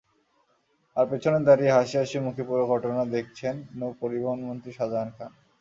আর পেছনে দাঁড়িয়ে হাসি হাসি মুখে পুরো ঘটনা দেখছেন নৌপরিবহনমন্ত্রী শাজাহান খান।